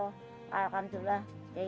mbak pariem menderita allah